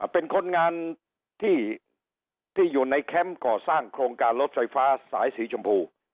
เป็นคนงานที่อยู่ในแคมป์ก่อสร้างโครงการรถไฟฟ้าสายสีชมพู